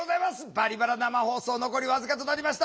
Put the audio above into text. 「バリバラ」生放送残り僅かとなりました。